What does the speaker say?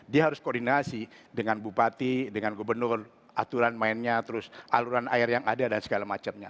dia harus koordinasi dengan bupati dengan gubernur aturan mainnya terus aluran air yang ada dan segala macamnya